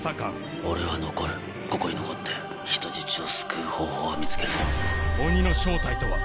俺は残るここに残って人質を救う方法を見つける。